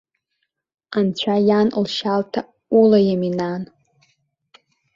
Анцәа иан лшьалҭа улаиами, нан?